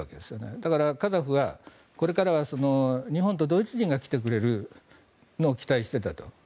だから、カザフはこれからは日本とドイツ人が来てくれるのを期待していたと。